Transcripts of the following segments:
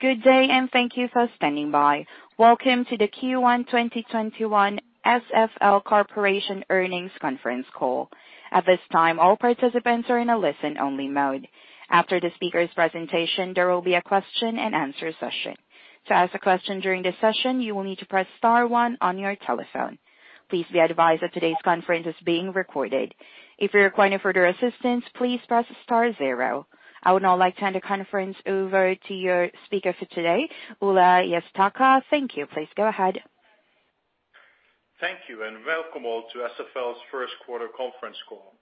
Good day, and thank you for standing by. Welcome to the Q1 2021 SFL Corporation Earnings Conference Call. At this time, all participants are in a listen-only mode. After the speakers' presentation, there will be a question-and-answer session. To ask a question during the session, you will need to press star one on your telephone. Please be advised that today's conference is being recorded. If you require any further assistance, please press star zero. I would now like to hand the conference over to your speaker for today, Ole Hjertaker. Thank you. Please go ahead. Thank you, and welcome all to SFL Corporation's First Quarter Conference Call.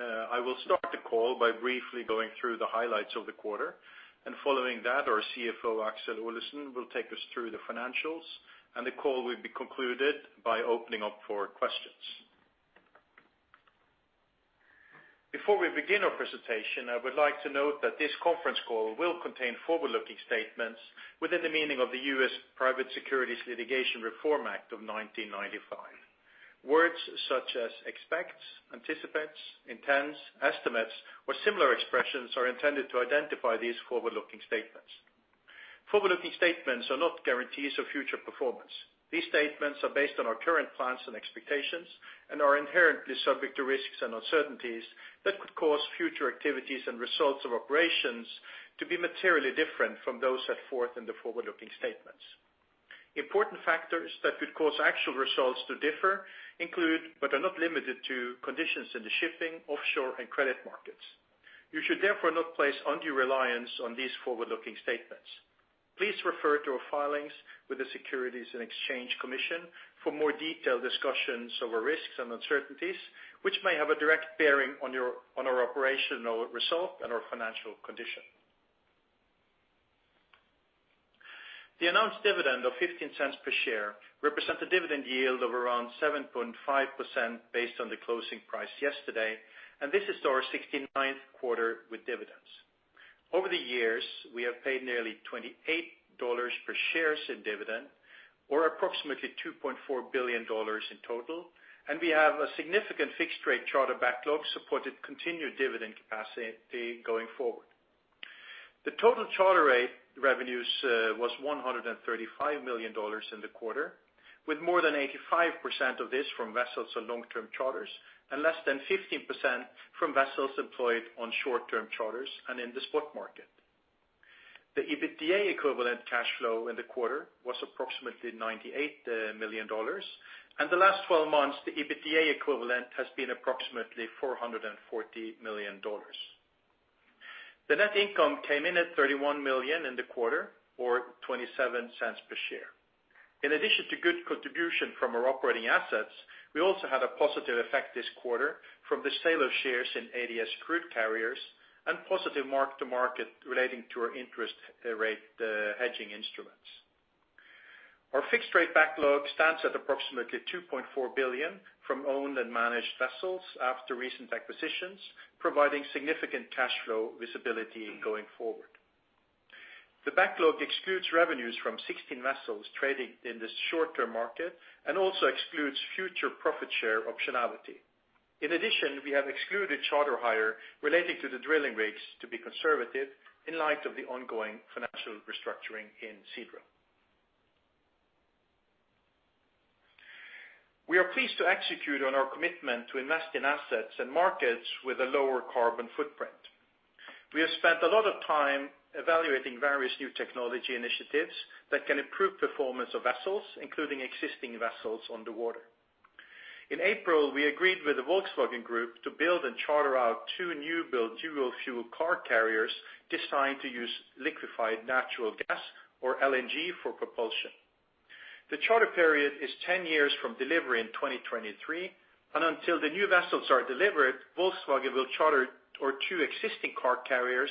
I will start the call by briefly going through the highlights of the quarter, and following that, our CFO, Aksel Olesen, will take us through the financials, and the call will be concluded by opening up for questions. Before we begin our presentation, I would like to note that this conference call will contain forward-looking statements within the meaning of the U.S. Private Securities Litigation Reform Act of 1995. Words such as expects, anticipates, intends, estimates, or similar expressions are intended to identify these forward-looking statements. Forward-looking statements are not guarantees of future performance. These statements are based on our current plans and expectations and are inherently subject to risks and uncertainties that could cause future activities and results of operations to be materially different from those set forth in the forward-looking statements. Important factors that could cause actual results to differ include, but are not limited to, conditions in the shipping, offshore, and credit markets. You should therefore not place undue reliance on these forward-looking statements. Please refer to our filings with the Securities and Exchange Commission for more detailed discussions of our risks and uncertainties, which may have a direct bearing on our operational result and our financial condition. The announced dividend of $0.15 per share represents a dividend yield of around 7.5% based on the closing price yesterday, and this is our 69th quarter with dividends. Over the years, we have paid nearly $28 per share in dividend or approximately $2.4 billion in total, and we have a significant fixed rate charter backlog supporting continued dividend capacity going forward. The total charter rate revenues was $135 million in the quarter, with more than 85% of this from vessels on long-term charters and less than 15% from vessels employed on short-term charters and in the spot market. The EBITDA equivalent cash flow in the quarter was approximately $98 million, and the last 12 months, the EBITDA equivalent has been approximately $440 million. The net income came in at $31 million in the quarter, or $0.27 per share. In addition to good contribution from our operating assets, we also had a positive effect this quarter from the sale of shares in ADS Crude Carriers and positive mark-to-market relating to our interest rate hedging instruments. Our fixed rate backlog stands at approximately $2.4 billion from owned and managed vessels after recent acquisitions, providing significant cash flow visibility going forward. The backlog excludes revenues from 16 vessels trading in the short-term market and also excludes future profit share optionality. In addition, we have excluded charter hire relating to the drilling rigs to be conservative in light of the ongoing financial restructuring in Seadrill. We are pleased to execute on our commitment to invest in assets and markets with a lower carbon footprint. We have spent a lot of time evaluating various new technology initiatives that can improve performance of vessels, including existing vessels on the water. In April, we agreed with the Volkswagen Group to build and charter out two new build dual fuel car carriers designed to use liquified natural gas or LNG for propulsion. The charter period is 10 years from delivery in 2023, and until the new vessels are delivered, Volkswagen will charter our two existing car carriers,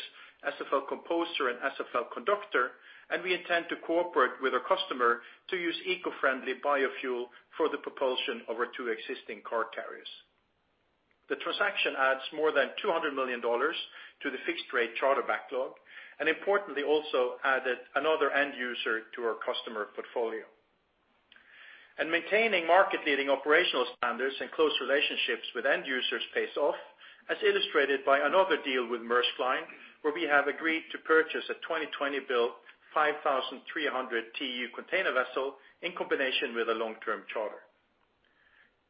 SFL Composer and SFL Conductor, and we intend to cooperate with our customer to use eco-friendly biofuel for the propulsion of our two existing car carriers. The transaction adds more than $200 million to the fixed rate charter backlog, and importantly, also added another end user to our customer portfolio. Maintaining market leading operational standards and close relationships with end users pays off, as illustrated by another deal with Maersk Line, where we have agreed to purchase a 2020 build 5,300 TEU container vessel in combination with a long-term charter.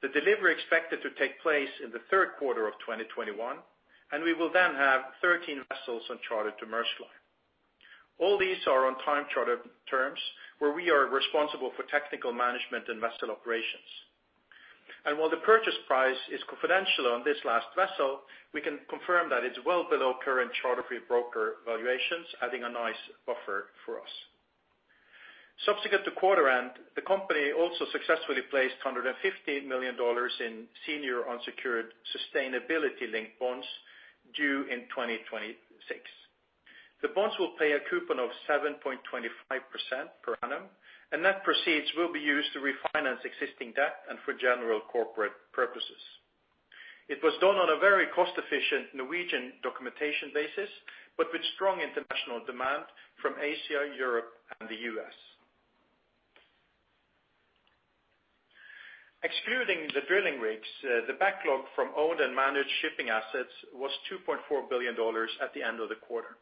The delivery is expected to take place in the third quarter of 2021, and we will then have 13 vessels on charter to Maersk Line. All these are on time charter terms where we are responsible for technical management and vessel operations. While the purchase price is confidential on this last vessel, we can confirm that it's well below current charter fee broker valuations, adding a nice buffer for us. Subsequent to quarter end, the company also successfully placed $150 million in senior unsecured sustainability linked bonds due in 2026. The bonds will pay a coupon of 7.25% per annum, that proceeds will be used to refinance existing debt and for general corporate purposes. It was done on a very cost-efficient Norwegian documentation basis, with strong international demand from Asia, Europe, and the U.S. Excluding the drilling rigs, the backlog from owned and managed shipping assets was $2.4 billion at the end of the quarter.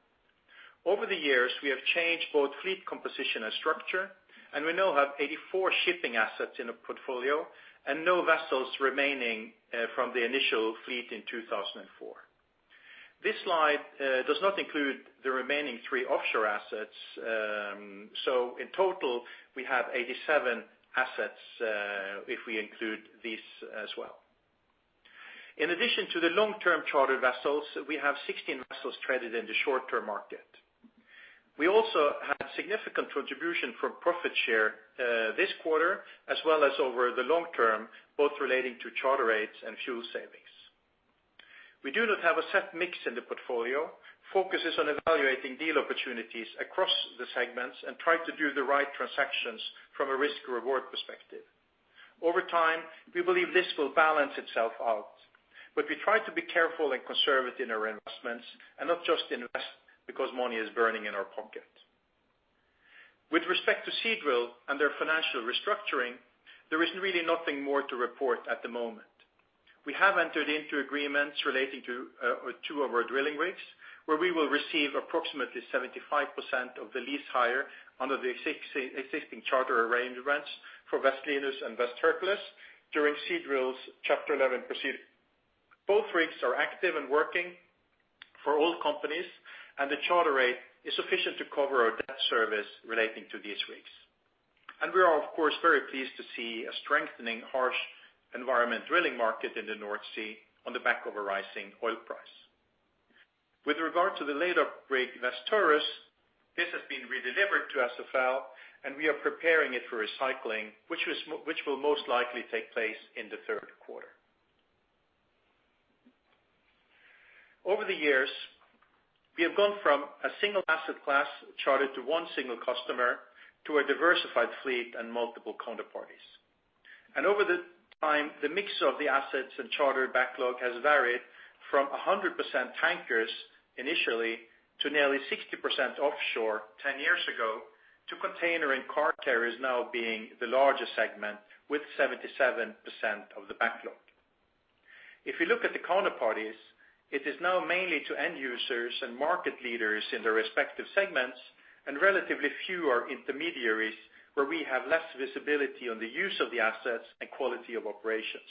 Over the years, we have changed both fleet composition and structure, and we now have 84 shipping assets in the portfolio and no vessels remaining from the initial fleet in 2004. This slide does not include the remaining three offshore assets. In total, we have 87 assets if we include these as well. In addition to the long-term charter vessels, we have 16 vessels traded in the short-term market. We also have significant contribution from profit share this quarter, as well as over the long term, both relating to charter rates and fuel savings. We do not have a set mix in the portfolio. Focus is on evaluating deal opportunities across the segments and try to do the right transactions from a risk-reward perspective. Over time, we believe this will balance itself out, but we try to be careful and conservative in our investments and not just invest because money is burning in our pocket. With respect to Seadrill and their financial restructuring, there is really nothing more to report at the moment. We have entered into agreements relating to two of our drilling rigs, where we will receive approximately 75% of the lease hire under the existing charter arrangements for West Linus and West Hercules during Seadrill's Chapter 11 proceeding. Both rigs are active and working for oil companies, and the charter rate is sufficient to cover our debt service relating to these rigs. We are, of course, very pleased to see a strengthening harsh environment drilling market in the North Sea on the back of a rising oil price. With regard to the laid-up rig, West Taurus, this has been redelivered to SFL Corporation, and we are preparing it for recycling, which will most likely take place in the third quarter. Over the years, we have gone from a single asset class chartered to one single customer to a diversified fleet and multiple counterparties. Over the time, the mix of the assets and charter backlog has varied from 100% tankers initially to nearly 60% offshore 10 years ago to container and car carriers now being the largest segment with 77% of the backlog. If you look at the counterparties, it is now mainly to end users and market leaders in their respective segments and relatively few are intermediaries where we have less visibility on the use of the assets and quality of operations.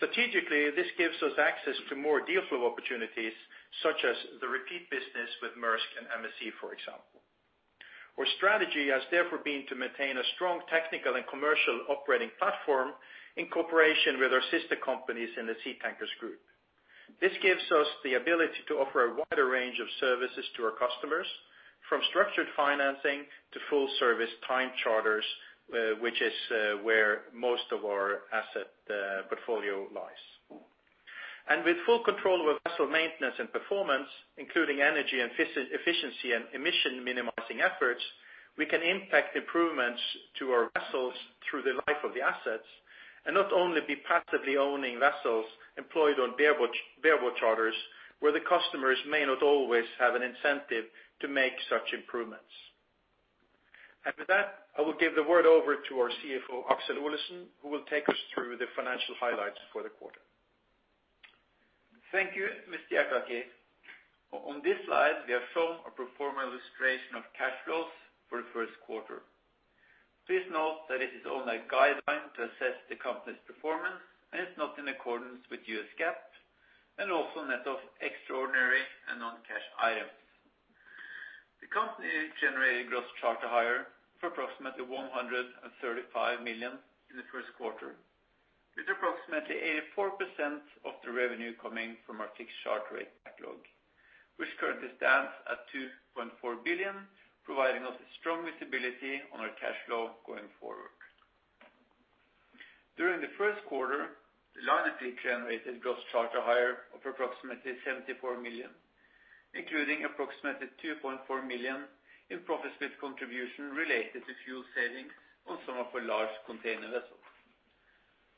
Strategically, this gives us access to more deal flow opportunities, such as the repeat business with Maersk and MSC, for example. Our strategy has therefore been to maintain a strong technical and commercial operating platform in cooperation with our sister companies in the Seatankers Group. This gives us the ability to offer a wider range of services to our customers, from structured financing to full service time charters, which is where most of our asset portfolio lies. With full control over vessel maintenance and performance, including energy efficiency and emission minimizing efforts, we can impact improvements to our vessels through the life of the assets and not only be passively owning vessels employed on bareboat charters, where the customers may not always have an incentive to make such improvements. With that, I will give the word over to our CFO, Aksel Olesen, who will take us through the financial highlights for the quarter. Thank you, Ole. On this slide, we have shown a pro forma illustration of cash flows for the first quarter. Please note that this is only a guideline to assess the company's performance and is not in accordance with U.S. GAAP and also net of extraordinary and non-cash items. The company generated gross charter hire of approximately $135 million in the first quarter, with approximately 84% of the revenue coming from our fixed charter rate backlog, which currently stands at $2.4 billion, providing us with strong visibility on our cash flow going forward. During the first quarter, the liner fleet generated gross charter hire of approximately $74 million, including approximately $2.4 million in profit split contribution related to fuel savings on some of our large container vessels.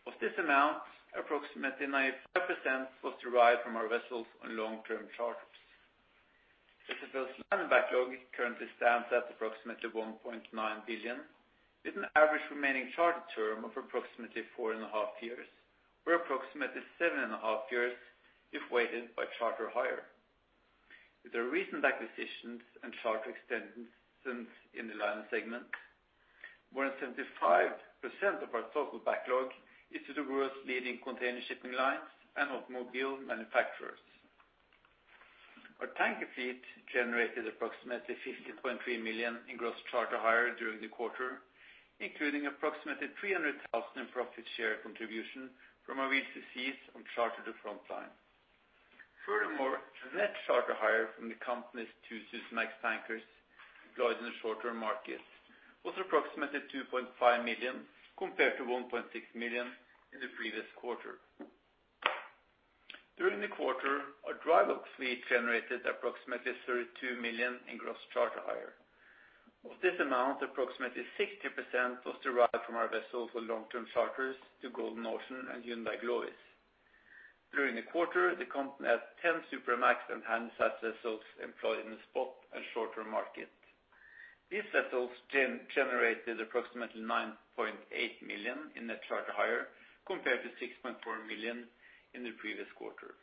Of this amount, approximately 95% was derived from our vessels on long-term charters. SFL Corporation's liner backlog currently stands at $1.9 billion, with an average remaining charter term of approximately 4.5 years, or approximately 7.5 years if weighted by charter hire. With the recent acquisitions and charter extensions in the liner segment, more than 75% of our total backlog is with the world's leading container shipping lines and automobile manufacturers. Our tanker fleet generated approximately $50.3 million in gross charter hire during the quarter, including approximately $300,000 in profit share contribution from our VLCCs on charter to Frontline. Furthermore, the net charter hire from the company's two Supramax tankers deployed in the short-term markets was approximately $2.5 million compared to $1.6 million in the previous quarter. During the quarter, our dry bulk fleet generated approximately $32 million in gross charter hire. Of this amount, approximately 60% was derived from our vessels with long-term charters to Golden Ocean and Hyundai Glovis. During the quarter, the company had 10 Supramax and handysize vessels employed in the spot and short-term market. These vessels generated approximately $9.8 million in net charter hire compared to $6.4 million in the previous quarter.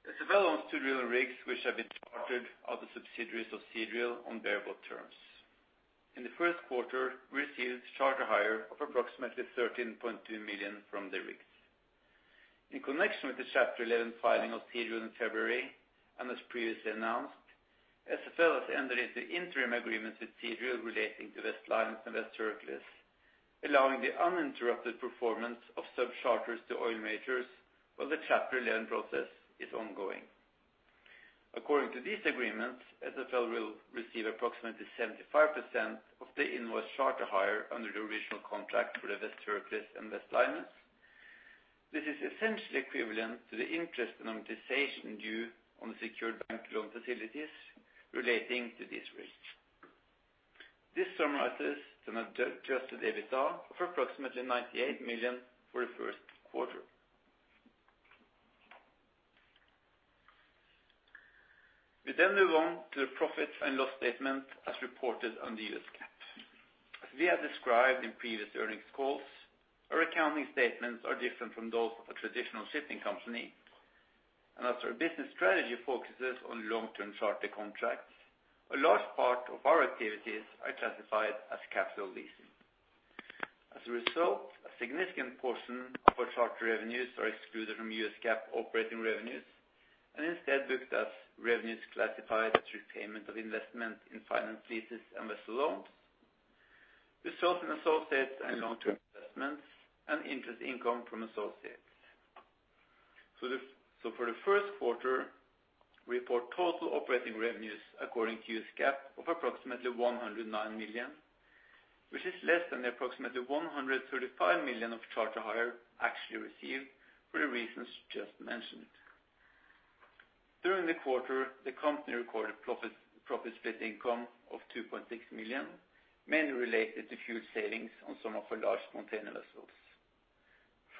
SFL Corporation owns two drilling rigs, which have been chartered out to subsidiaries of Seadrill on bareboat terms. In the first quarter, we received charter hire of approximately $13.2 million from the rigs. In connection with the Chapter 11 filing of Seadrill in February, and as previously announced, SFL Corporation has entered into interim agreements with Seadrill relating to West Linus and West Hercules, allowing the uninterrupted performance of subcharters to oil majors while the Chapter 11 process is ongoing. According to these agreements, SFL Corporation will receive approximately 75% of the invoiced charter hire under the original contract for the West Hercules and West Linus. This is essentially equivalent to the interest and amortization due on the secured bank loan facilities relating to these rigs. This summarizes to an adjusted EBITDA of approximately $98 million for the first quarter. We then move on to the profit and loss statement as reported under the U.S. GAAP. As we have described in previous earnings calls, our accounting statements are different from those of a traditional shipping company. As our business strategy focuses on long-term charter contracts, a large part of our activities are classified as capital leasing. As a result, a significant portion of our charter revenues are excluded from U.S. GAAP operating revenues and instead booked as revenues classified as repayment of investment in finance leases and vessel loans. Results in associates and long-term investments and interest income from associates. For the first quarter, we report total operating revenues according to U.S. GAAP of approximately $109 million, which is less than the approximately $135 million of charter hire actually received for the reasons just mentioned. During the quarter, the company recorded profit split income of $2.6 million, mainly related to fuel savings on some of our large container vessels.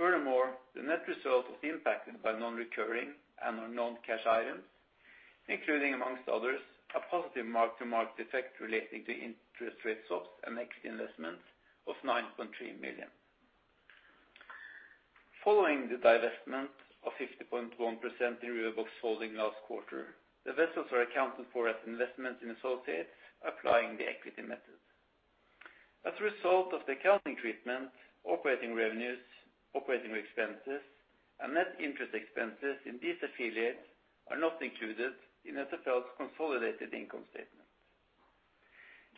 The net result was impacted by non-recurring and our non-cash items, including, amongst others, a positive mark to market effect relating to interest rate swaps and equity investments of $9.3 million. Following the divestment of 50.1% in River Box Holding last quarter, the vessels are accounted for as investments in associates applying the equity method. As a result of the accounting treatment, operating revenues, operating expenses, and net interest expenses in these affiliates are not included in SFL Corporation's consolidated income statement.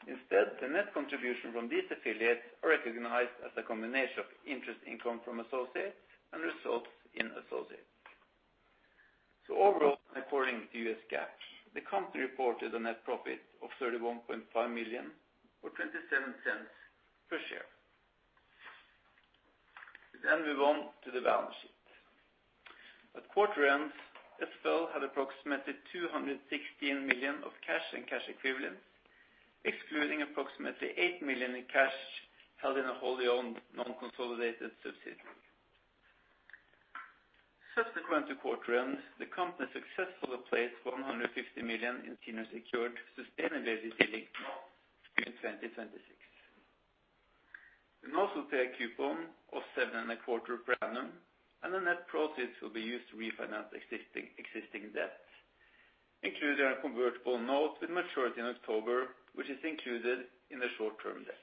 Instead, the net contribution from these affiliates are recognized as a combination of interest income from associates and results in associates. Overall, according to U.S. GAAP, the company reported a net profit of $31.5 million or $0.27 per share. We now move on to the balance sheet. At quarter end, SFL Corporation had approximately $216 million of cash and cash equivalents, excluding approximately $8 million in cash held in a wholly owned non-consolidated subsidiary. Subsequent to quarter-end, the company successfully placed $150 million in senior secured sustainability-linked bonds due in 2026. The notes will pay a coupon of 7.25% per annum, and the net proceeds will be used to refinance existing debt, including our convertible note with maturity in October, which is included in the short-term debt.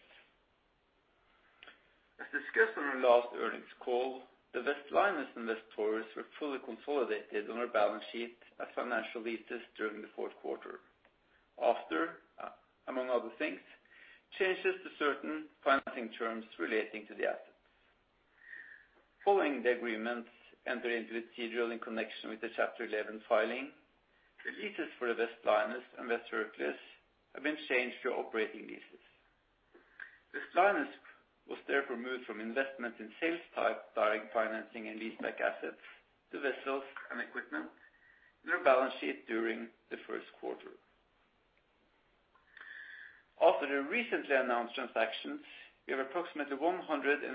As discussed on our last earnings call, the West Linus and West Taurus were fully consolidated on our balance sheet as financial leases during the fourth quarter. After, among other things, changes to certain financing terms relating to the assets. Following the agreements entered into with Seadrill in connection with the Chapter 11 filing, the leases for the West Linus and West Hercules have been changed to operating leases. West Linus was therefore moved from investment in sales-type direct financing and leaseback assets to vessels and equipment in our balance sheet during the first quarter. After the recently announced transaction, we have approximately $184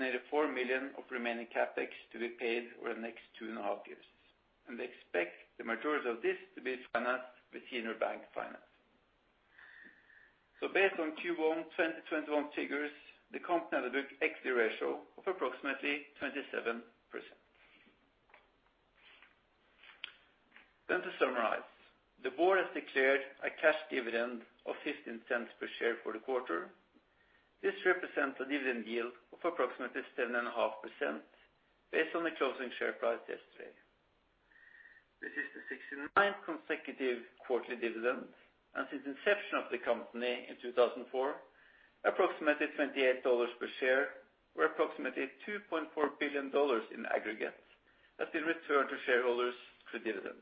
million of remaining CapEx to be paid over the next 2.5 years, and we expect the majority of this to be financed with senior bank finance. Based on Q1 2021 figures, the company had a book equity ratio of approximately 27%. To summarize, the board has declared a cash dividend of $0.15 per share for the quarter. This represents a dividend yield of approximately 10.5% based on the closing share price yesterday. This is the 69th consecutive quarterly dividend, and since inception of the company in 2004, approximately $28 per share or approximately $2.4 billion in aggregate, has been returned to shareholders through dividends.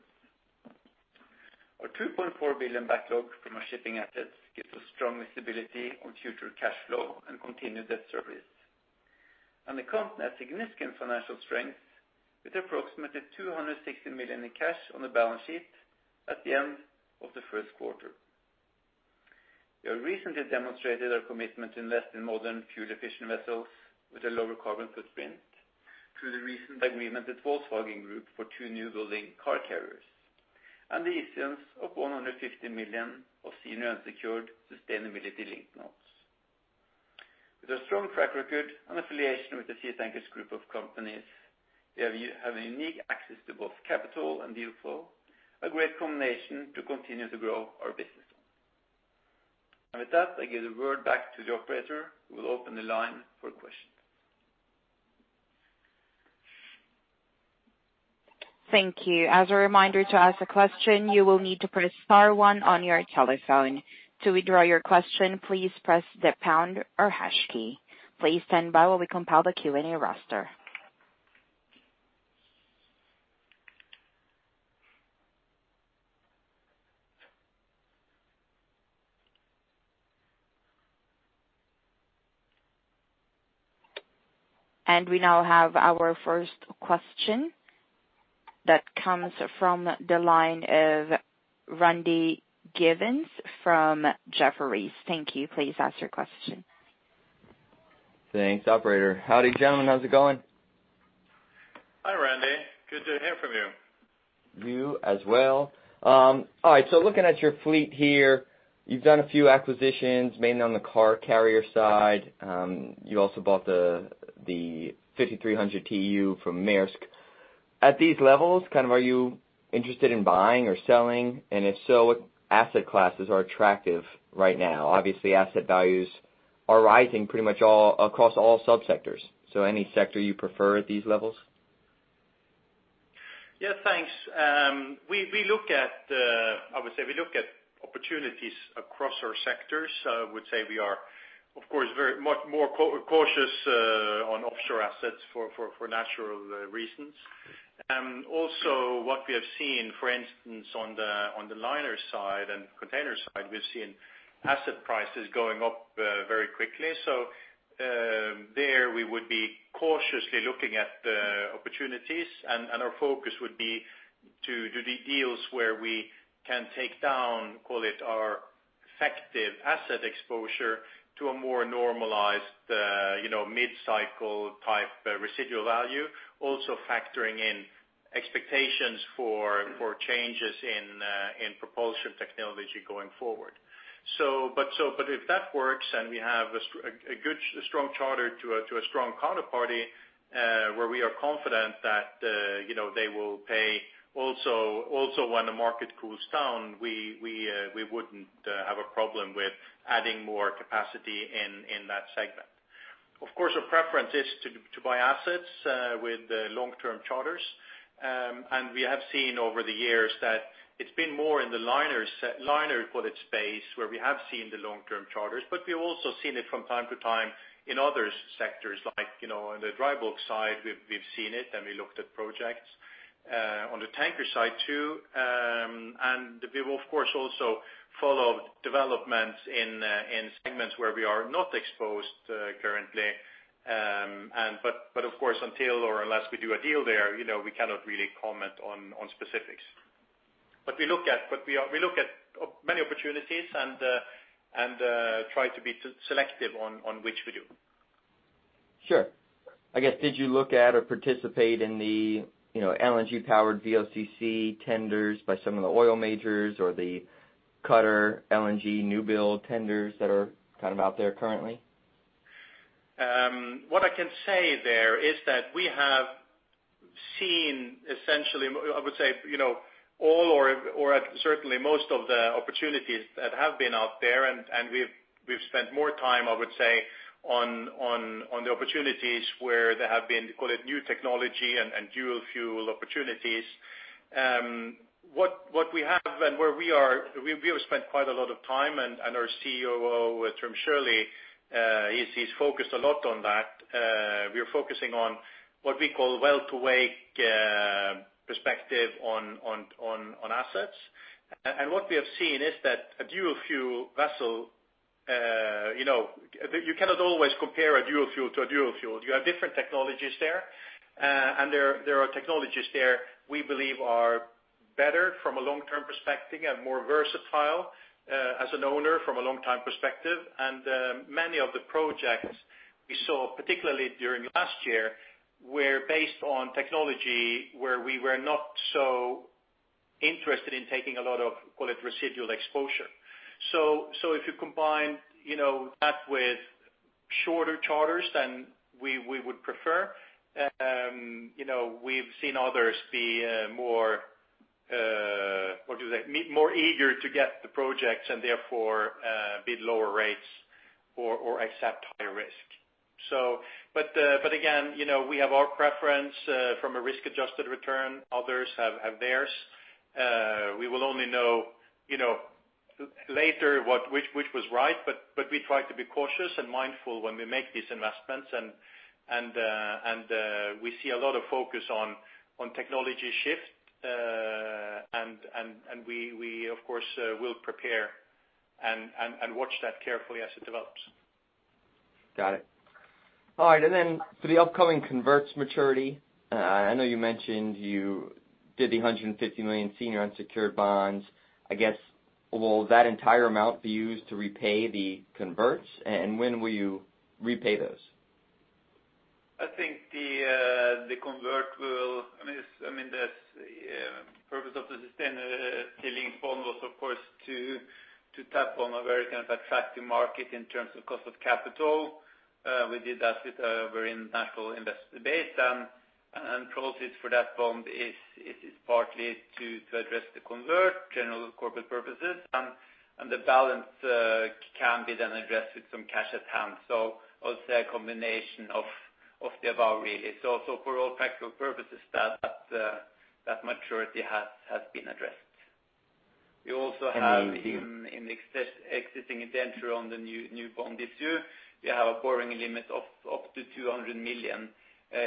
Our $2.4 billion backlog from our shipping assets gives us strong visibility on future cash flow and continued debt service. The company has significant financial strength with approximately $216 million in cash on the balance sheet at the end of the first quarter. We have recently demonstrated our commitment to invest in modern, fuel-efficient vessels with a lower carbon footprint through the recent agreement with Volkswagen Group for two new building car carriers and the issuance of $150 million of senior unsecured sustainability-linked notes. With a strong track record and affiliation with the Seatankers Group of Companies, we have a unique access to both capital and deal flow, a great combination to continue to grow our business. With that, I give the word back to the operator, who will open the line for questions. Thank you. As a reminder, to ask a question, you will need to press star one on your telephone. To withdraw your question, please press the pound or hash key. Please stand by while we compile the Q&A roster. We now have our first question that comes from the line of Randy Giveans from Jefferies. Thank you. Please ask your question. Thanks, operator. Howdy, gentlemen. How's it going? Hi, Randy. Good to hear from you. You as well. All right. Looking at your fleet here, you've done a few acquisitions, mainly on the car carrier side. You also bought the 5,300 TEU from Maersk. At these levels, are you interested in buying or selling? If so, what asset classes are attractive right now? Obviously, asset values are rising pretty much across all sub-sectors. Any sector you prefer at these levels? Yeah, thanks. I would say we look at opportunities across our sectors. I would say we are, of course, very much more cautious on offshore assets for natural reasons. What we have seen, for instance, on the liner side and container side, we've seen asset prices going up very quickly. There we would be cautiously looking at opportunities, and our focus would be to do deals where we can take down, call it our effective asset exposure to a more normalized mid-cycle type residual value, also factoring in expectations for changes in propulsion technology going forward. If that works and we have a good, strong charter to a strong counterparty where we are confident that they will pay also when the market cools down, we wouldn't have a problem with adding more capacity in that segment. Of course, our preference is to buy assets with long-term charters. We have seen over the years that it's been more in the liner quoted space where we have seen the long-term charters, but we've also seen it from time to time in other sectors, like on the dry bulk side, we've seen it, and we looked at projects. On the tanker side, too, we will, of course, also follow developments in segments where we are not exposed currently. Of course, until or unless we do a deal there, we cannot really comment on specifics. We look at many opportunities and try to be selective on which we do. Sure. I guess, did you look at or participate in the LNG powered VLCC tenders by some of the oil majors or the Qatar LNG new build tenders that are out there currently? What I can say there is that we have seen essentially, I would say, all or certainly most of the opportunities that have been out there, and we've spent more time, I would say, on the opportunities where there have been, call it new technology and dual fuel opportunities. What we have and where we are, we have spent quite a lot of time, and our COO, Trym Sjølie, he's focused a lot on that. We are focusing on what we call well-to-wake perspective on assets. What we have seen is that a dual fuel vessel, you cannot always compare a dual fuel to a dual fuel. You have different technologies there, and there are technologies there we believe are better from a long-term perspective and more versatile as an owner from a long-term perspective. Many of the projects we saw, particularly during last year, were based on technology where we were not so interested in taking a lot of, call it residual exposure. If you combine that with shorter charters than we would prefer, we've seen others be more, what do you say, more eager to get the projects and therefore bid lower rates or accept higher risk. Again, we have our preference from a risk-adjusted return. Others have theirs. We will only know later which was right, but we try to be cautious and mindful when we make these investments, and we see a lot of focus on technology shift, and we, of course, will prepare and watch that carefully as it develops. Got it. All right. Then for the upcoming converts maturity, I know you mentioned you did the $150 million senior unsecured bonds. I guess, will that entire amount be used to repay the converts, and when will you repay those? I think the purpose of the sustainability linked bond was, of course, to tap on a very kind of attractive market in terms of cost of capital. We did that with a very international investor base, proceeds for that bond is partly to address the convert, general corporate purposes, the balance can be addressed with some cash at hand. I would say a combination of the above, really. For all practical purposes, that maturity has been addressed. We also have in the existing indenture on the new bond issue, we have a borrowing limit of up to $200 million. $50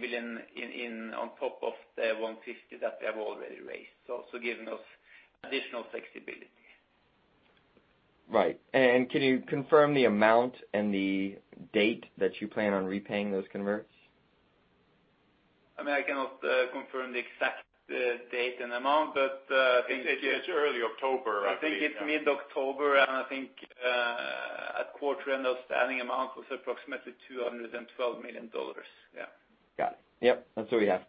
million on top of the $150 million that we have already raised. Giving us additional flexibility. Right. Can you confirm the amount and the date that you plan on repaying those converts? I cannot confirm the exact date and amount. It's early October, I think, yeah. I think it's mid-October, and I think at quarter-end, the standing amount was approximately $212 million. Yeah. Got it. Yep. That's what we have.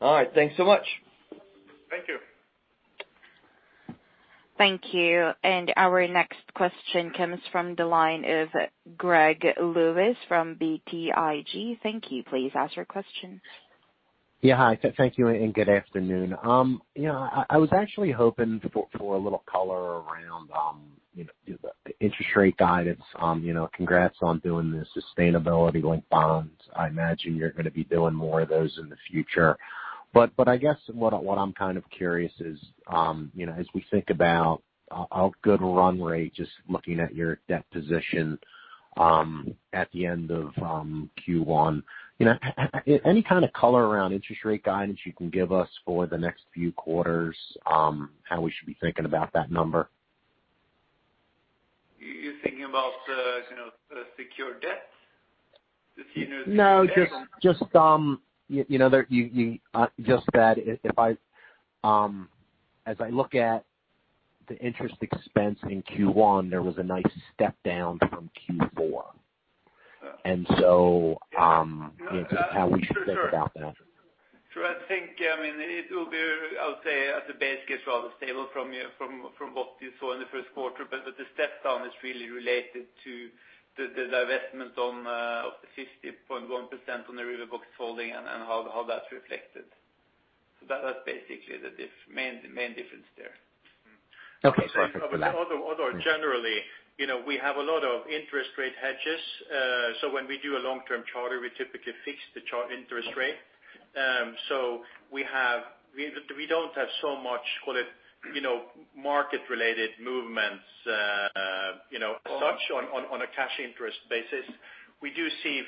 All right, thanks so much. Thank you. Thank you. Our next question comes from the line of Gregory Lewis from BTIG. Thank you. Please ask your question. Yeah. Hi. Thank you, and good afternoon. I was actually hoping for a little color around the interest rate guidance. Congrats on doing the sustainability-linked bonds. I imagine you're going to be doing more of those in the future. I guess what I'm kind of curious is, as we think about a good run rate, just looking at your debt position, at the end of Q1, any kind of color around interest rate guidance you can give us for the next few quarters? How we should be thinking about that number? You're thinking about secured debt? The senior secured debt? No, just that as I look at the interest expense in Q1, there was a nice step down from Q4. Just how we should think about that? Sure. I think, it will be, I would say, at the base case, rather stable from what you saw in the first quarter. The step down is really related to the divestment of the 50.1% on the River Box Holding and how that's reflected. That's basically the main difference there. Okay, perfect for that. Although generally, we have a lot of interest rate hedges. When we do a long-term charter, we typically fix the chart interest rate. We don't have so much, call it, market related movements as such on a cash interest basis. We do see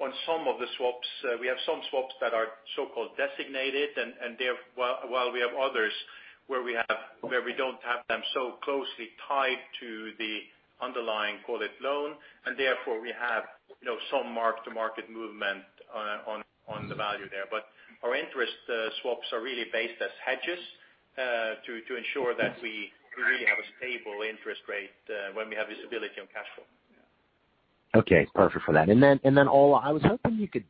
on some of the swaps, we have some swaps that are so-called designated, and while we have others where we don't have them so closely tied to the underlying call it loan, and therefore we have some mark-to-market movement on the value there. Our interest swaps are really based as hedges, to ensure that we really have a stable interest rate when we have visibility on cash flow. Okay, perfect for that. Then, Ole, I was hoping you could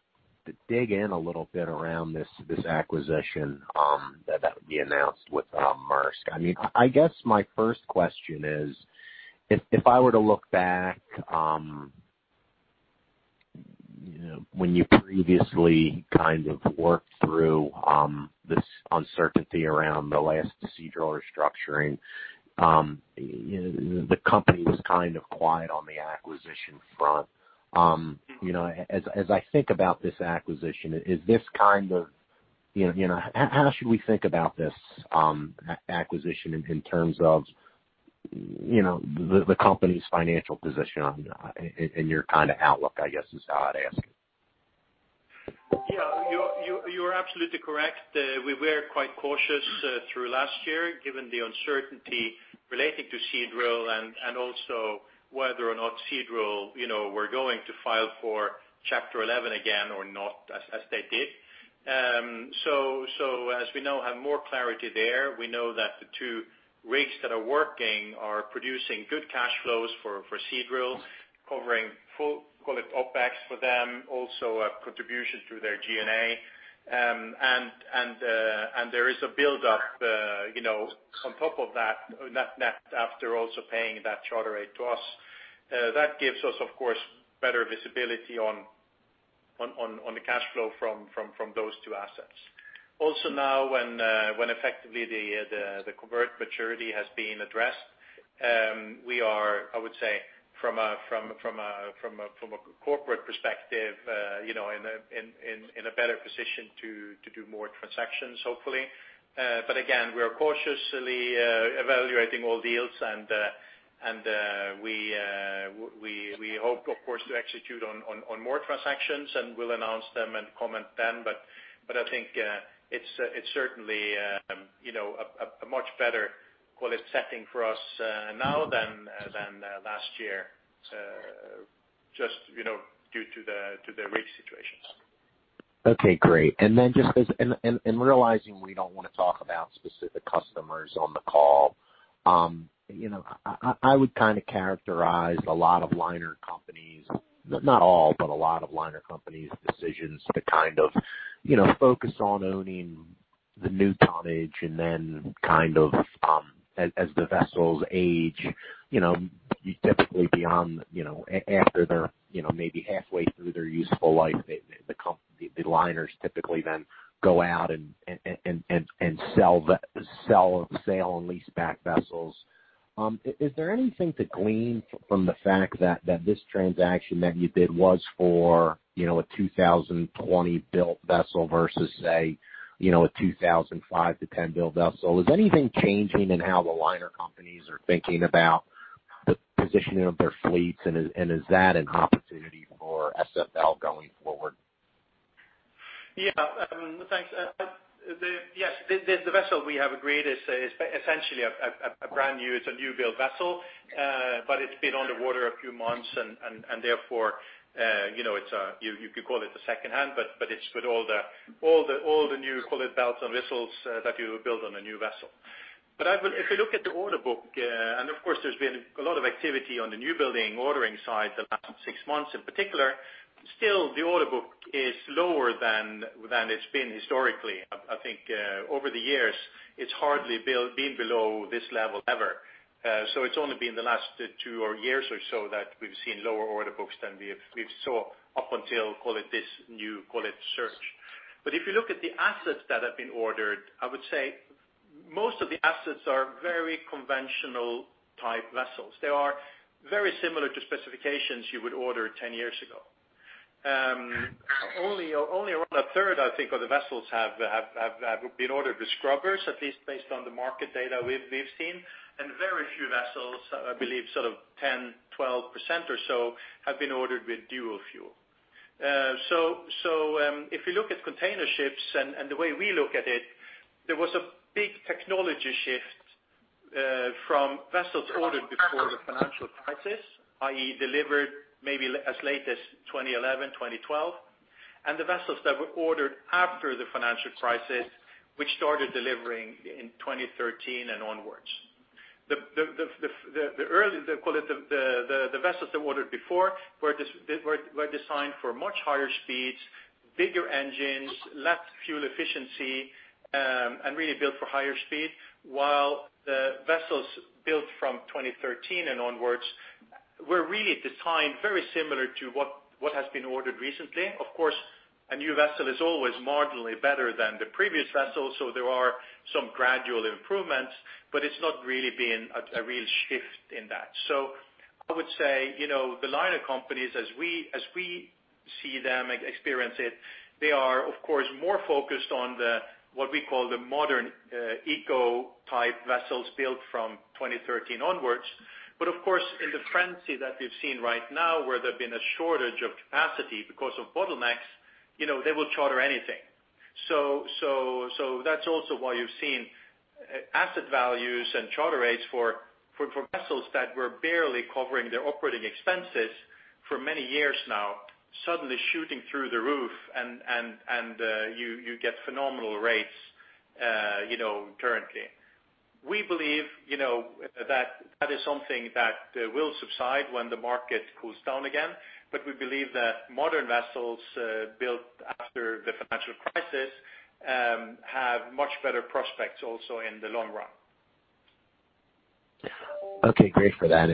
dig in a little bit around this acquisition that would be announced with Maersk. I guess my first question is, if I were to look back, when you previously kind of worked through this uncertainty around the last Seadrill restructuring, the company was kind of quiet on the acquisition front. As I think about this acquisition, how should we think about this acquisition in terms of the company's financial position and your kind of outlook, I guess, is how I'd ask it. Yeah, you are absolutely correct. We were quite cautious throughout last year, given the uncertainty relating to Seadrill and also whether or not Seadrill were going to file for Chapter 11 again or not, as they did. As we now have more clarity there, we know that the two rigs that are working are producing good cash flows for Seadrill, covering full, call it, OpEx for them, also a contribution through their G&A. There is a buildup on top of that net after also paying that charter rate to us. That gives us, of course, better visibility on the cash flow from those two assets. Also now when effectively, the convert maturity has been addressed, we are, I would say, from a corporate perspective in a better position to do more transactions, hopefully. Again, we are cautiously evaluating all deals and we hope, of course, to execute on more transactions, and we'll announce them and comment then. I think it's certainly a much better, call it a setting for us now than last year, just due to the rate situations. Okay, great. Realizing we don't want to talk about specific customers on the call, I would characterize a lot of liner companies, not all, but a lot of liner companies' decisions to focus on owning the new tonnage and then as the vessels age, you typically after they're maybe halfway through their useful life, the liners typically then go out and sell or sale and lease back vessels. Is there anything to glean from the fact that this transaction that you did was for a 2020-built vessel versus, say, a 2005-2010-built vessel? Is anything changing in how the liner companies are thinking about the positioning of their fleets, and is that an opportunity for SFL Corporation going forward? Yeah. Thanks. Yes, the vessel we have agreed is essentially brand new. It's a new built vessel. It's been on the water a few months, and therefore, you could call it secondhand, but it's with all the new, call it bells and whistles that you build on a new vessel. If you look at the order book, and of course, there's been a lot of activity on the new building ordering side the last six months in particular. Still, the order book is lower than it's been historically. I think over the years, it's hardly been below this level ever. It's only been the last two years or so that we've seen lower order books than we saw up until, call it this new search. If you look at the assets that have been ordered, I would say most of the assets are very conventional type vessels. They are very similar to specifications you would order 10 years ago. Only around a third, I think, of the vessels have been ordered with scrubbers, at least based on the market data we've seen. Very few vessels, I believe sort of 10%, 12% or so, have been ordered with dual fuel. If you look at container ships and the way we look at it, there was a big technology shift from vessels ordered before the financial crisis, i.e., delivered maybe as late as 2011, 2012, and the vessels that were ordered after the financial crisis, which started delivering in 2013 and onwards. The vessels that were ordered before were designed for much higher speeds, bigger engines, less fuel efficiency, and really built for higher speed, while the vessels built from 2013 and onwards were really designed very similar to what has been ordered recently. Of course, a new vessel is always marginally better than the previous vessel, so there are some gradual improvements, but it is not really been a real shift in that. I would say, the liner companies, as we see them experience it, they are, of course, more focused on what we call the modern eco-type vessels built from 2013 onwards. Of course, in the frenzy that we have seen right now where there has been a shortage of capacity because of bottlenecks, they will charter anything. That's also why you've seen asset values and charter rates for vessels that were barely covering their operating expenses for many years now, suddenly shooting through the roof, and you get phenomenal rates currently. We believe that is something that will subside when the market cools down again. We believe that modern vessels built after the financial crisis have much better prospects also in the long run. Okay, great for that.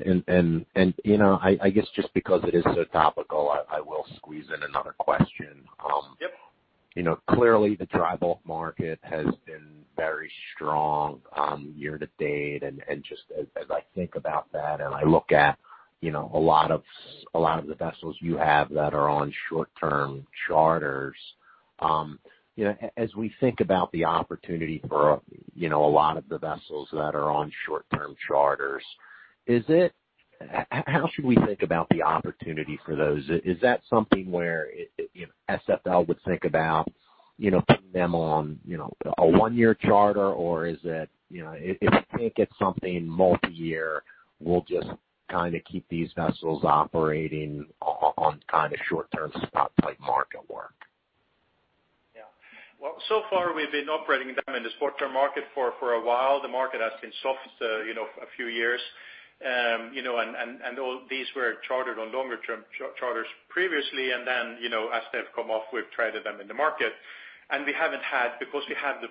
I guess just because it is so topical, I will squeeze in another question. Yep. Clearly, the dry bulk market has been very strong year to date. Just as I think about that and I look at a lot of the vessels you have that are on short-term charters. As we think about the opportunity for a lot of the vessels that are on short-term charters, how should we think about the opportunity for those? Is that something where SFL Corporation would think about putting them on a one-year charter, or if you think it's something multi-year, we'll just kind of keep these vessels operating on kind of short-term spot type market work? Well, so far we've been operating them in the short-term market for a while. The market has been soft for a few years, and all these were chartered on longer-term charters previously. Then, as they've come off, we've traded them in the market. Because we have the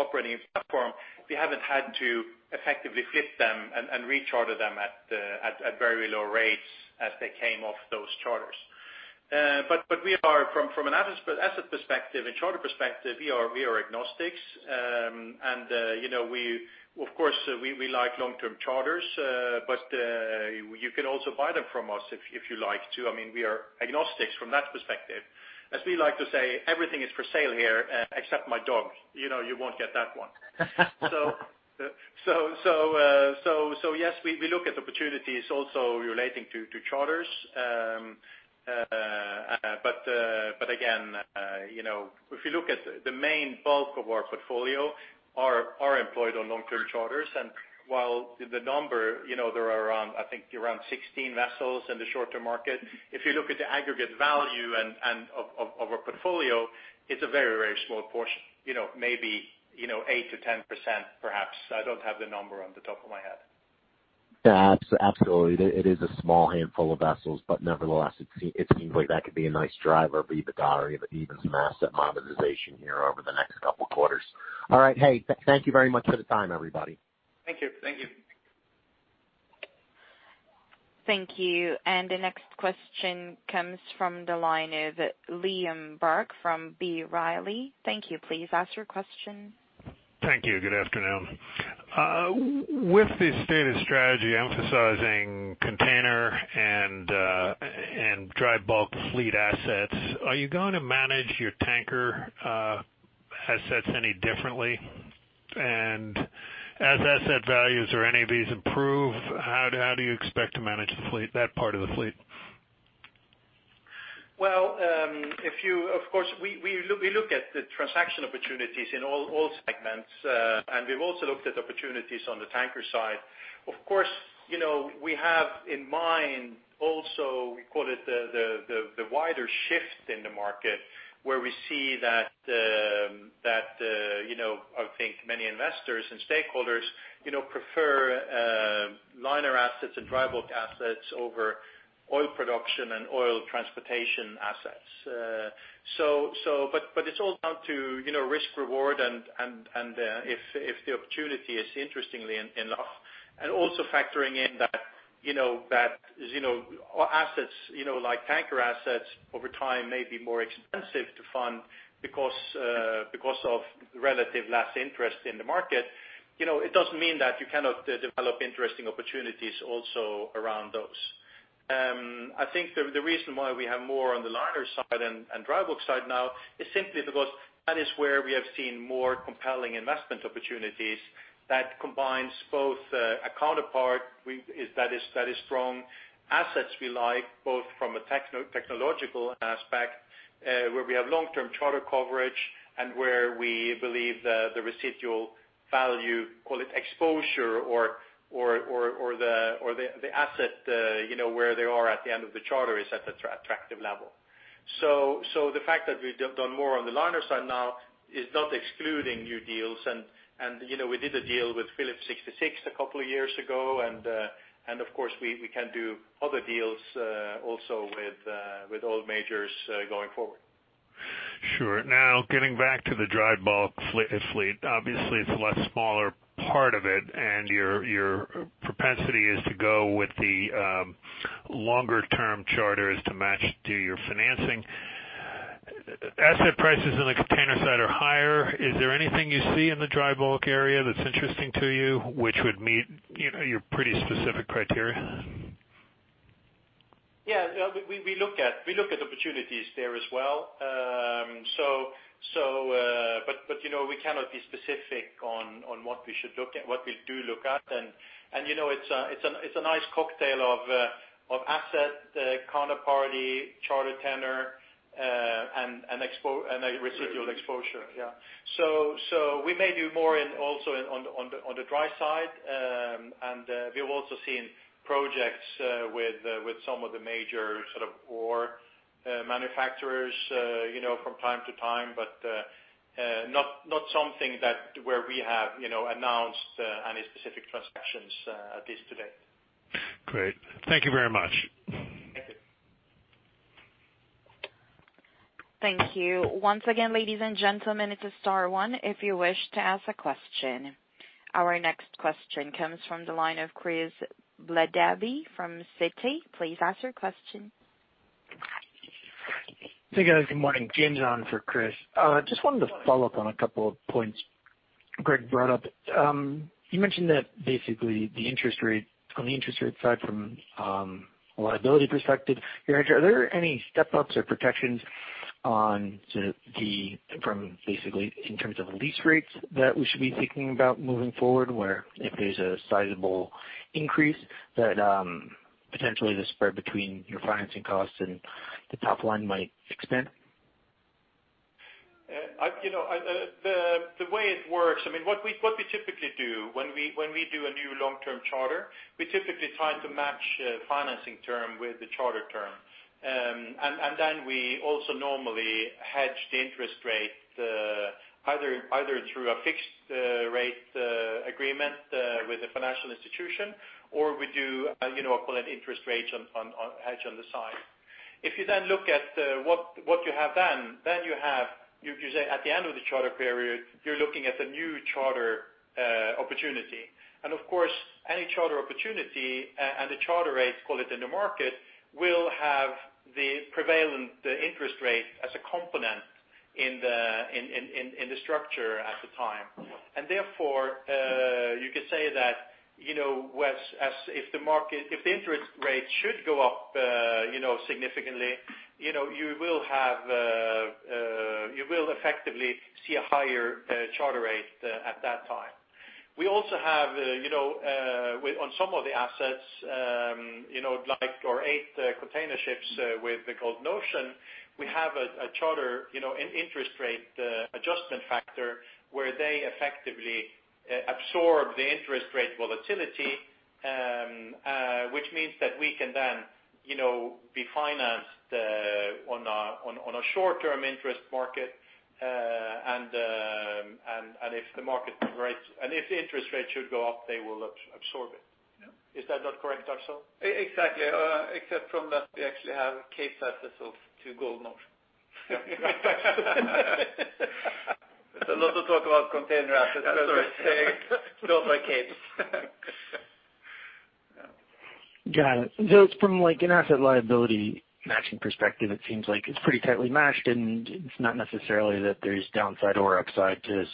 operating platform, we haven't had to effectively flip them and recharter them at very low rates as they came off those charters. We are from an asset perspective and charter perspective, we are agnostics. Of course, we like long-term charters, but you can also buy them from us if you like to. We are agnostics from that perspective. As we like to say, everything is for sale here except my dog. You won't get that one. Yes, we look at opportunities also relating to charters. If you look at the main bulk of our portfolio are employed on long-term charters. While the number, there are, I think, around 16 vessels in the short-term market. If you look at the aggregate value of our portfolio, it's a very small portion, maybe, 8%-10%, perhaps. I don't have the number on the top of my head. Absolutely. It is a small handful of vessels, but nevertheless, it seems like that could be a nice driver, be the dolly of even some asset monetization here over the next couple of quarters. All right. Hey, thank you very much for the time, everybody. Thank you. Thank you. The next question comes from the line of Liam Burke from B. Riley. Thank you. Please ask your question. Thank you. Good afternoon. With the stated strategy emphasizing container and dry bulk fleet assets, are you going to manage your tanker assets any differently? As asset values or any of these improve, how do you expect to manage that part of the fleet? Well, of course, we look at the transaction opportunities in all segments. We've also looked at opportunities on the tanker side. Of course, we have in mind also, we call it the wider shift in the market, where we see that, I think many investors and stakeholders prefer liner assets and dry bulk assets over oil production and oil transportation assets. It's all down to risk reward and if the opportunity is interestingly enough, and also factoring in that, assets like tanker assets over time may be more expensive to fund because of relative less interest in the market. It doesn't mean that you cannot develop interesting opportunities also around those. I think the reason why we have more on the liner side and dry bulk side now is simply because that is where we have seen more compelling investment opportunities that combines both a counterpart that is strong, assets we like, both from a technological aspect, where we have long-term charter coverage and where we believe the residual value, call it exposure or the asset where they are at the end of the charter is at the attractive level. The fact that we've done more on the liner side now is not excluding new deals. We did a deal with Phillips 66 a couple of years ago, and, of course, we can do other deals, also with oil majors going forward. Sure. Getting back to the dry bulk fleet, obviously, it's a much smaller part of it, and your propensity is to go with the longer-term charters to match to your financing. Asset prices on the container side are higher. Is there anything you see in the dry bulk area that's interesting to you, which would meet your pretty specific criteria? We look at opportunities there as well. We cannot be specific on what we do look at. It's a nice cocktail of asset, counterparty, charter tenor, and residual exposure. We may do more also on the dry side. We've also seen projects with some of the major ore manufacturers from time to time, but not something where we have announced any specific transactions at least today. Great. Thank you very much. Thank you. Thank you. Once again, ladies and gentlemen, it is star one, if you wish to ask a question. Our next question comes from the line of Chris Wetherbee from Citi. Please ask your question. Hey, guys. Good morning. Jim on for Chris. Just wanted to follow up on a couple of points Greg brought up. You mentioned that basically on the interest rate side from a liability perspective, are there any step-ups or protections from basically in terms of lease rates that we should be thinking about moving forward where if there's a sizable increase, that potentially the spread between your financing costs and the top line might expand? The way it works, what we typically do when we do a new long-term charter, we typically try to match financing term with the charter term. We also normally hedge the interest rate, either through a fixed rate agreement with a financial institution, or we do a call it interest rate hedge on the side. If you then look at what you have then, you say at the end of the charter period, you're looking at the new charter opportunity. Of course, any charter opportunity and the charter rates, call it in the market, will have the prevalent interest rate as a component in the structure at the time. Therefore, you could say that, if the interest rate should go up significantly, you will effectively see a higher charter rate at that time. We also have on some of the assets, like our eight container ships with Golden Ocean, we have a charter, an interest rate adjustment factor where they effectively absorb the interest rate volatility, which means that we can then be financed on a short-term interest market. If the interest rates should go up, they will absorb it. Yeah. Is that not correct, Aksel? Exactly. Except for that we actually have Capesize assets to Golden Ocean. Not to talk about container assets. That's right. Capesize. Got it. From an asset liability matching perspective, it seems like it's pretty tightly matched and it's not necessarily that there's downside or upside just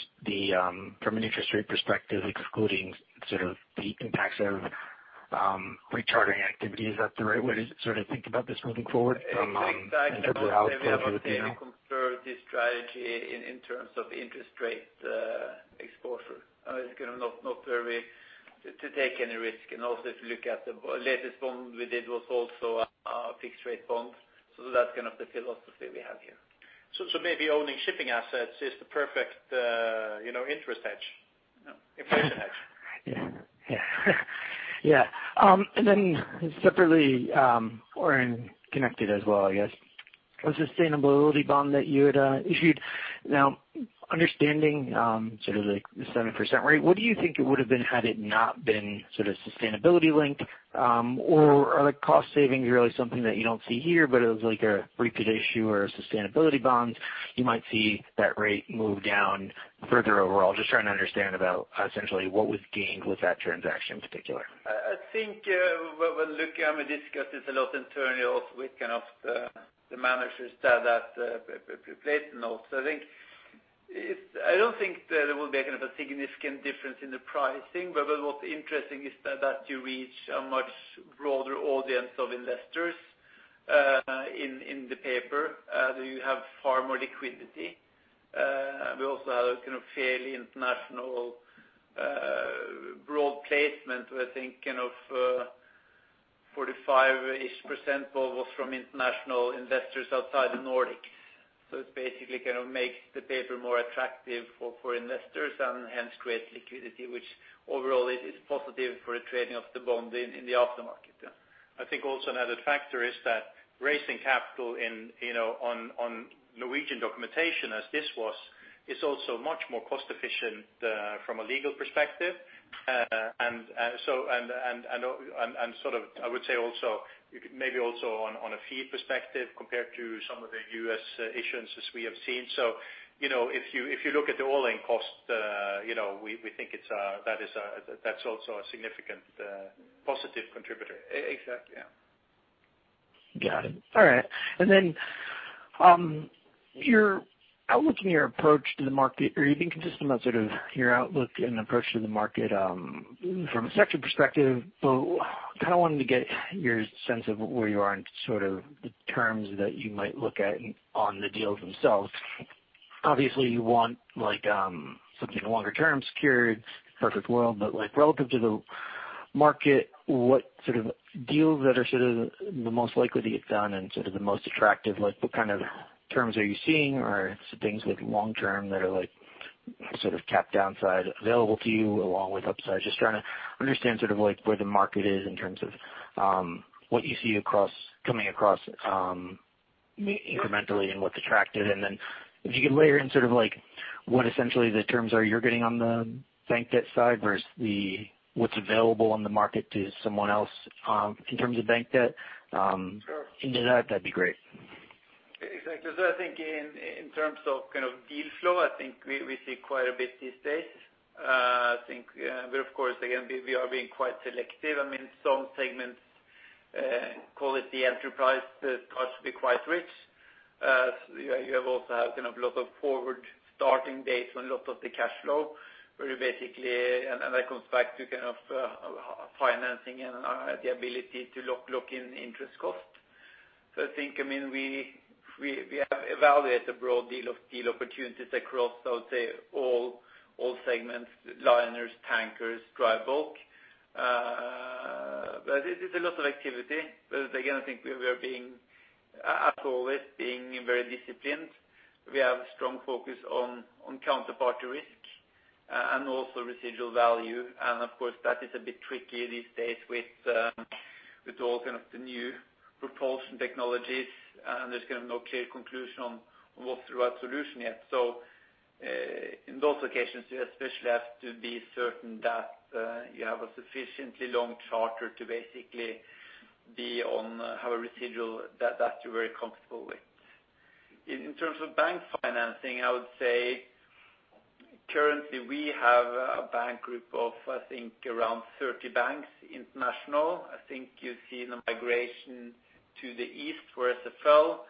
from an interest rate perspective, excluding sort of the impacts of rechartering activity. Is that the right way to sort of think about this moving forward in terms of your outlook for this year? Maybe I would say the conservative strategy in terms of interest rate exposure. It's kind of not very to take any risk and also to look at the latest bond we did was also a fixed rate bond. That's kind of the philosophy we have here. Maybe owning shipping assets is the perfect interest hedge. Yeah. Inflation hedge. Yeah. Then separately or connected as well, I guess, a sustainability bond that you had issued. Now understanding sort of the 7% rate, what do you think it would have been had it not been sort of sustainability-linked? Are the cost savings really something that you don't see here, but it was like a refi issue or a sustainability bond, you might see that rate move down further overall? Just trying to understand about essentially what was gained with that transaction in particular. I think, when look and we discuss this a lot internally also with kind of the managers there that pre-placed and also I think, I don't think there will be a kind of a significant difference in the pricing. What's interesting is that you reach a much broader audience of investors in the paper, you have far more liquidity. We also have a kind of fairly international broad placement where I think kind of 45-ish% bought was from international investors outside the Nordics. It basically kind of makes the paper more attractive for investors and hence creates liquidity, which overall is positive for the trading of the bond in the aftermarket. Yeah. I think also another factor is that raising capital on Norwegian documentation, as this was, is also much more cost-efficient from a legal perspective. Sort of, I would say maybe also on a fee perspective compared to some of the U.S. issuance as we have seen. If you look at the all-in cost we think that's also a significant positive contributor. Exactly. Yeah. Got it. All right. Your outlook and your approach to the market, or you've been consistent about sort of your outlook and approach to the market from a sector perspective, but kind of wanted to get your sense of where you are in sort of the terms that you might look at on the deals themselves. Obviously, you want something longer-term secured, perfect world, but like relative to the market, what sort of deals that are sort of the most likely to get done and sort of the most attractive, like what kind of terms are you seeing or things like long-term that are like sort of cap downside available to you along with upside? Just trying to understand sort of like where the market is in terms of what you see coming across incrementally and what's attractive, and then if you could layer in sort of like what essentially the terms are you're getting on the bank debt side versus what's available on the market to someone else in terms of bank debt. Sure. Into that'd be great. Exactly. I think in terms of kind of deal flow, I think we see quite a bit these days. I think we, of course, again, we are being quite selective. I mean some segments, call it the entry price, be quite rich. You also have kind of lot of forward starting dates on a lot of the cash flow, where you, and that comes back to kind of financing and the ability to lock in interest cost. I think, I mean, we have evaluated a broad deal of, deal opportunities across, I would say all segments, liners, tankers, dry bulk. It is a lot of activity. Again, I think we are as always being very disciplined. We have a strong focus on counterparty risk and also residual value. Of course, that is a bit tricky these days with all kind of the new propulsion technologies, and there's kind of no clear conclusion on what the right solution yet. In those occasions, you especially have to be certain that you have a sufficiently long charter to basically have a residual that you're very comfortable with. In terms of bank financing, I would say currently we have a bank group of, I think, around 30 banks, international. I think you see the migration to the East where SFL Corporation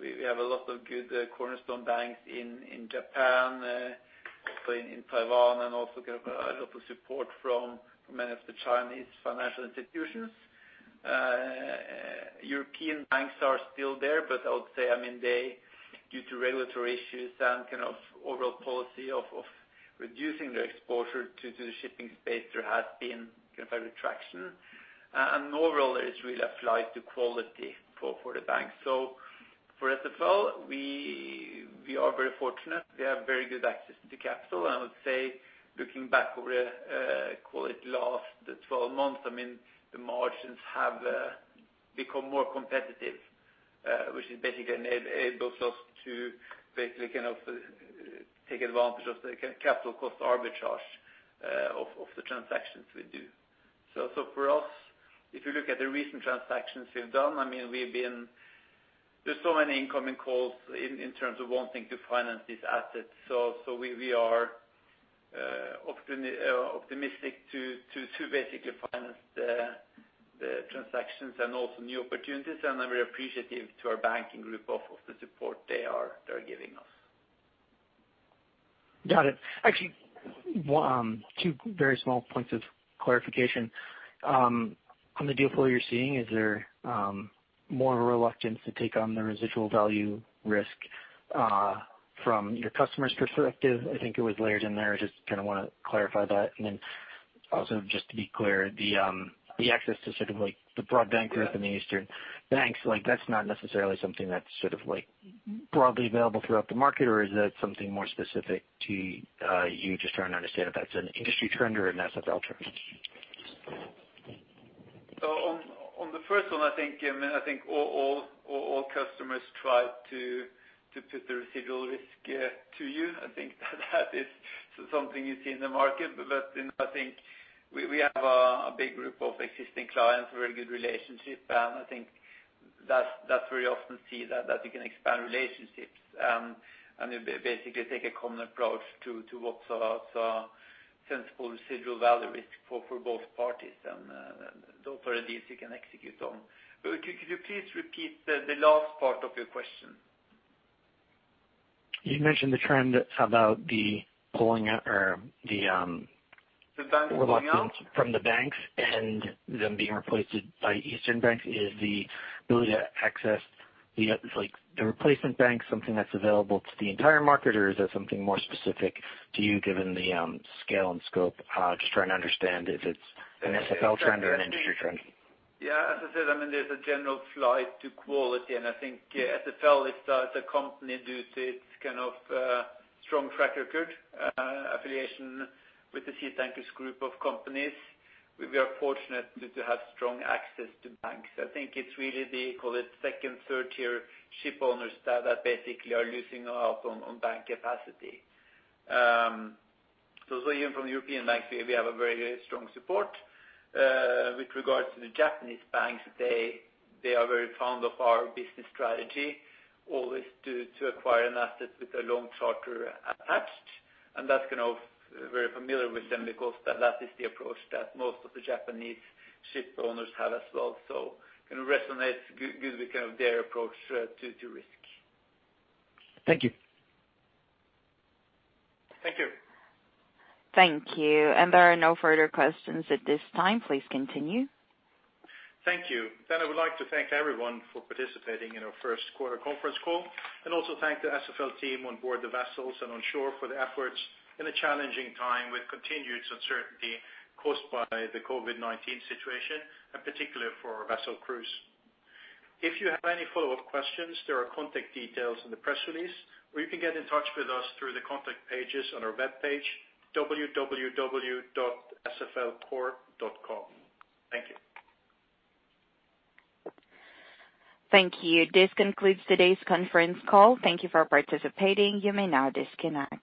we have a lot of good cornerstone banks in Japan, also in Taiwan, and also a lot of support from many of the Chinese financial institutions. European banks are still there, I would say, due to regulatory issues and overall policy of reducing their exposure to the shipping space, there has been retraction. Overall, it's really a flight to quality for the banks. For SFL Corporation, we are very fortunate. We have very good access to capital. I would say, looking back over, call it, last 12 months, the margins have become more competitive, which has basically enabled us to basically take advantage of the capital cost arbitrage of the transactions we do. For us, if you look at the recent transactions we've done, there's so many incoming calls in terms of wanting to finance these assets. We are optimistic to basically finance the transactions and also new opportunities, and we're appreciative to our banking group of the support they are giving us. Got it. Actually, two very small points of clarification. On the deal flow you're seeing, is there more of a reluctance to take on the residual value risk from your customer's perspective? I think it was layered in there. I just want to clarify that, and then also just to be clear, the access to sort of the broad bank group, The Eastern banks, that's not necessarily something that's broadly available throughout the market, or is that something more specific to you? Just trying to understand if that's an industry trend or an SFL Corporation trend. On the first one, I think all customers try to put the residual risk to you. I think that is something you see in the market. I think we have a big group of existing clients, a very good relationship, and I think that's very often see that you can expand relationships, and you basically take a common approach to what sensible residual value is for both parties, and those are the deals you can execute on. Could you please repeat the last part of your question? You mentioned the trend about the pulling out or the- The banks pulling out? Reluctance from the banks and them being replaced by Eastern banks. Is the ability to access the replacement banks something that's available to the entire market, or is that something more specific to you given the scale and scope? Just trying to understand if it's an SFL Corporation trend or an industry trend. Yeah, as I said, there's a general flight to quality. I think SFL Corporation is a company due to its kind of strong track record affiliation with the Seatankers group of companies. We are fortunate to have strong access to banks. I think it's really the, call it second, third tier ship owners that basically are losing out on bank capacity. Even from the European banks, we have a very strong support. With regards to the Japanese banks, they are very fond of our business strategy, always to acquire an asset with a long charter attached. That's very familiar with them because that is the approach that most of the Japanese ship owners have as well. Resonates good with their approach to risk. Thank you. Thank you. Thank you. There are no further questions at this time. Please continue. Thank you. I would like to thank everyone for participating in our first quarter conference call, and also thank the SFL team on board the vessels and on shore for their efforts in a challenging time with continued uncertainty caused by the COVID-19 situation, and particular for our vessel crews. If you have any follow-up questions, there are contact details in the press release, or you can get in touch with us through the contact pages on our webpage, www.sflcorp.com. Thank you. Thank you. This concludes today's conference call. Thank you for participating. You may now disconnect.